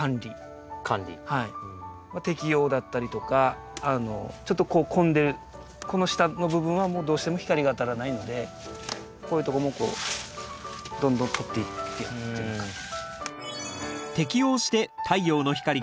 摘葉だったりとかちょっとこう混んでるこの下の部分はもうどうしても光が当たらないのでこういうとこもこうどんどんとっていってやるっていうような感じ。